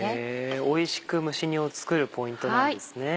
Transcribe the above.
おいしく蒸し煮を作るポイントなんですね。